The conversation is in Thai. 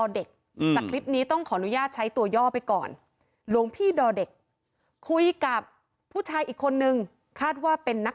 เด็กสางก็ไม่ได้ใจแต่เด็กย้ายสี่นู้นไปตามเต้นนี่